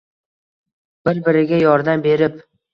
Bir-biriga yordam berib